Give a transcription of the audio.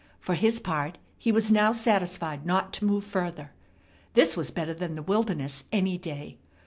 For his part he was now satisfied not to move further. This was better than the wilderness any day.